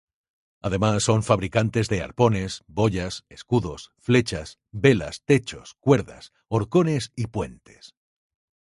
Además, son fabricantes de arpones, boyas, escudos, flechas, velas, techos, cuerdas, horcones y puentes.